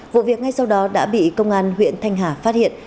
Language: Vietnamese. vụ việc ngay sau đó đã bị công an huyện thanh hà phát hiện